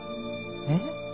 えっ？